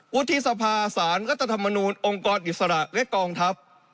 วุฒิสภาสารรัฐธรรมนูลองค์กรอิสระและกองทัพ